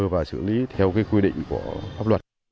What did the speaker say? và xử lý theo quy định của pháp luật